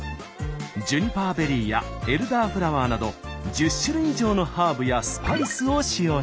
ジュニパーベリーやエルダーフラワーなど１０種類以上のハーブやスパイスを使用しています。